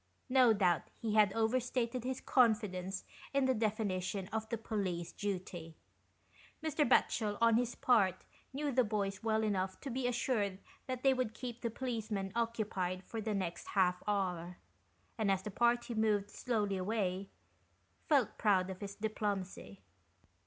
No doubt he had overstated his confidence in the definition of the " Police Duty." Mr. Batchel, on his part, knew the boys well enough to be assured that they would keep the policeman occupied for the next half hour, and as the party moved slowly away, felt proud of his diplomacy.